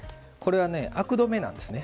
アク止めなんですね。